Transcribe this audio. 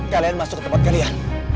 kalian masuk ke tempat kalian